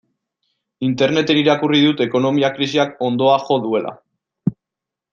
Interneten irakurri dut ekonomia krisiak hondoa jo duela.